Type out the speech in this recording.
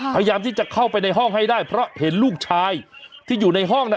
พยายามที่จะเข้าไปในห้องให้ได้เพราะเห็นลูกชายที่อยู่ในห้องน่ะ